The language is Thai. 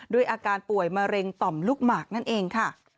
ด้วยอาการป่วยมะเร็งต่อมลูกหมากนั่นเองค่ะ